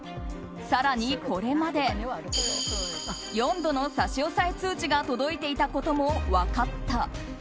更にこれまで４度の差し押さえ通知が届いていたことも分かった。